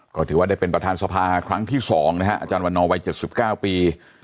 ก็ถือว่าได้เป็นประธานสภาครั้งที่๒นะฮะอาจารย์วันนอวัย๗๙ปี